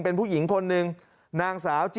เป็นผู้หญิงคนหนึ่งนางสาว